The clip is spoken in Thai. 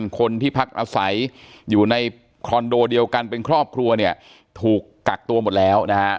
คนที่พักอาศัยอยู่ในคอนโดเดียวกันเป็นครอบครัวเนี่ยถูกกักตัวหมดแล้วนะฮะ